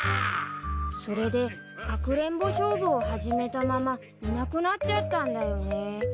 それでかくれんぼ勝負を始めたままいなくなっちゃったんだよね。